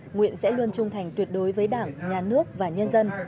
nguyện sẽ luôn trung thành tuyệt đối với đảng nhà nước và nhân dân